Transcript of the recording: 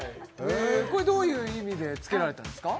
これどういう意味でつけられたんですか？